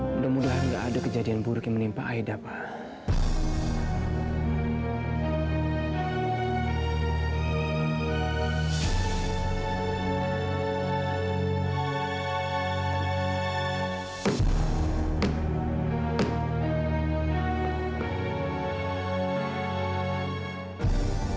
mudah mudahan gak ada kejadian buruk yang menimpa aida pak